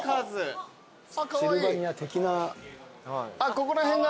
ここら辺が。